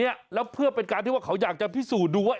เนี่ยแล้วเพื่อเป็นการที่ว่าเขาอยากจะพิสูจน์ดูว่า